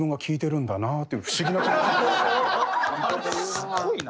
すごいな。